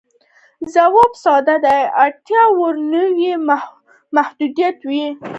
ځواب ساده دی، اړتیا وړ نوعې محدودې وې.